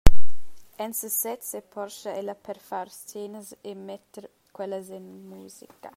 En sesez seporscha ella per far scenas e metter quellas en musica.